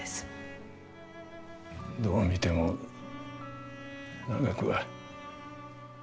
どう見ても長くは。